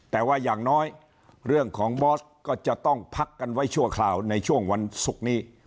แต่ว่าอย่างน้อยเรื่องของบอสก็จะต้องพักกันไว้ชั่วคราวในช่วงวันศุกร์นี้